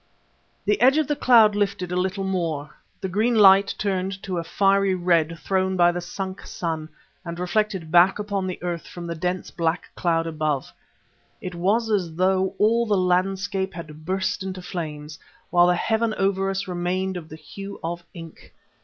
The edge of cloud lifted a little more; the green light turned to a fiery red thrown by the sunk sun and reflected back upon the earth from the dense black cloud above. It was as though all the landscape had burst into flames, while the heaven over us remained of the hue of ink.